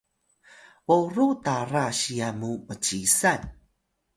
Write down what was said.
boru tara siyan mu mcisan